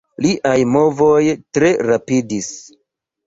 Liaj movoj tre rapidis.